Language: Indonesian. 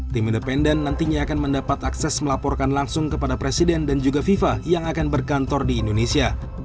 tim independen nantinya akan mendapat akses melaporkan langsung kepada presiden dan juga fifa yang akan berkantor di indonesia